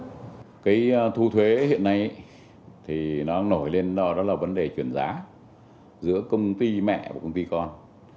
cái thu thuế hiện nay thì nó nổi lên đó là vấn đề chuyển giá giữa công ty mẹ và công ty con